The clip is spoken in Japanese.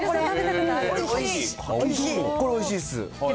これ、おいしいっす。